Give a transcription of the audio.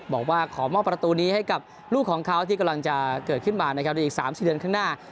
บอกว่าขอมอบประตูนี้ให้กับลูกของเขาที่กำลังจะเกิดขึ้นมานะครับในอีก๓๔เดือนข้างหน้า